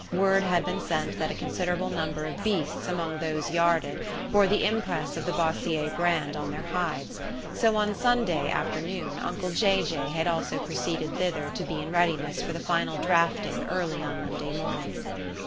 Word had been sent that a considerable number of beasts among those yarded bore the impress of the Bossier brand on their hides; so on Sunday afternoon uncle Jay Jay had also proceeded thither to be in readiness for the final drafting early on Monday morning.